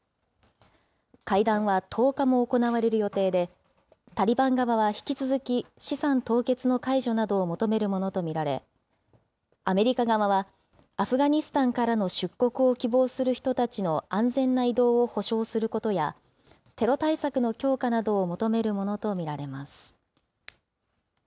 会談は１０日も行われる予定で、タリバン側は引き続き、資産凍結の解除などを求めるものと見られ、アメリカ側は、アフガニスタンからの出国を希望する人たちの安全な移動を保証することや、テロ対策の強化などを求めるものと見られます。